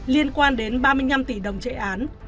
liên quan đến ba mươi năm tỷ đồng chạy án